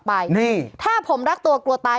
พี่ขับรถไปเจอแบบ